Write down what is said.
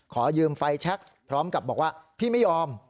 ขอยืมไฟแชคพร้อมกับบอกว่าพี่ไม่ยอม